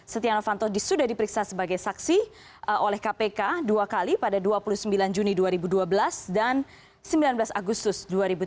setia novanto sudah diperiksa sebagai saksi oleh kpk dua kali pada dua puluh sembilan juni dua ribu dua belas dan sembilan belas agustus dua ribu tujuh belas